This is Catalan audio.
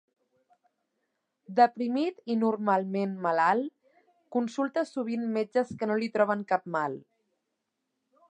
Deprimit i normalment malalt, consulta sovint metges que no li troben cap mal.